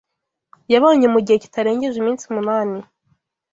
yabonye mu gihe kitarengeje iminsi umunani